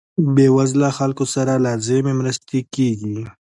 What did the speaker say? بې وزله خلکو سره لازمې مرستې کیږي.